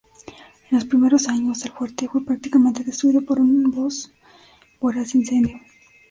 En los primeros años el Fuerte fue prácticamente destruido por un voraz incendio.